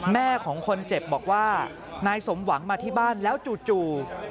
แม่ของคนเจ็บบอกว่านายสมหวังมาที่บ้านแล้วจู่